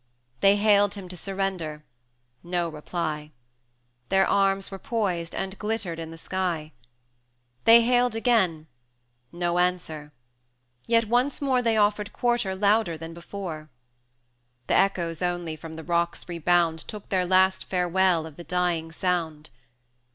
They hailed him to surrender no reply; Their arms were poised, and glittered in the sky. 290 They hailed again no answer; yet once more They offered quarter louder than before. The echoes only, from the rock's rebound, Took their last farewell of the dying sound.